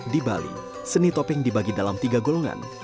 di bali seni topeng dibagi dalam tiga golongan